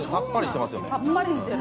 さっぱりしてる。